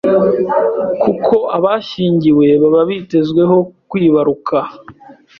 kuko abashyingiwe baba bitezweho kwibaruka